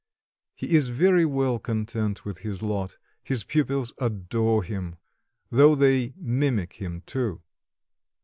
He is very well content with his lot; his pupils adore him, though they mimick him too.